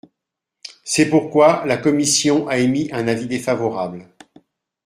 C’est pourquoi la commission a émis un avis défavorable.